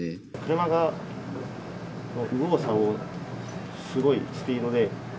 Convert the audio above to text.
車が右往左往、すごいスピードで。